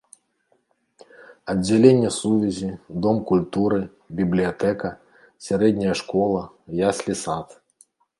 Аддзяленне сувязі, дом культуры, бібліятэка, сярэдняя школа, яслі-сад.